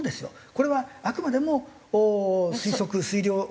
これはあくまでも推測推量で。